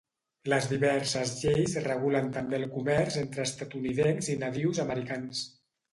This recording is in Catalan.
Les diverses lleis regulen també el comerç entre estatunidencs i nadius americans.